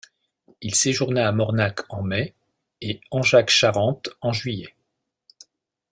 Il séjourna à Mornac en mai et Angeac-Charente en juillet.